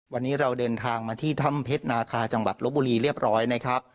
วันนี้เราเดินทางมาที่ถ้ำเพชรนาคาจังหวัดลบบุรีเรียบร้อยนะครับ